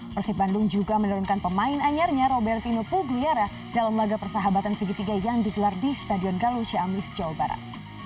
persib bandung juga menurunkan pemain anyarnya robertino pugliara dalam laga persahabatan segitiga yang digelar di stadion galuciamis jawa barat